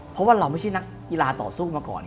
เพราะว่าเราไม่ใช่นักกีฬาต่อสู้มาก่อน